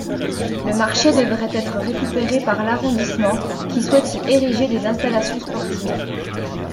Le marché devrait être récupéré par l'arrondissement, qui souhaite y ériger des installations sportives.